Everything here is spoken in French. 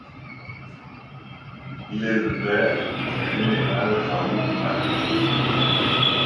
Il est le père du général Raoul Marion.